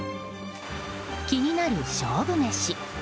気になる勝負メシ。